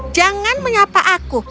jangan menyapa aku